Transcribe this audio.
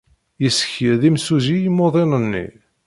Yessekyed yimsujji imuḍinen-nni.